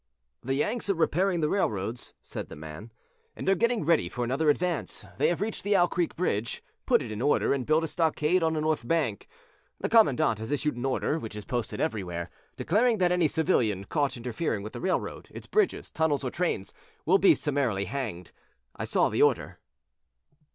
"The Yanks are repairing the railroads," said the man, "and are getting ready for another advance. They have reached the Owl Creek bridge, put it in order and built a stockade on the north bank. The commandant has issued an order, which is posted everywhere, declaring that any civilian caught interfering with the railroad, its bridges, tunnels or trains will be summarily hanged. I saw the order."